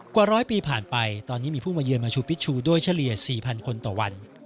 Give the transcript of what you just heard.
กว่า๑๐๐ปีผ่านไปตอนนี้มีผู้มาเยือนมาชูพิชชูด้วยเฉลี่ย๔๐๐คนต่อวัน